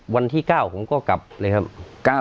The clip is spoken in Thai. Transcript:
วันที่๙ผมก็กลับเลยครับ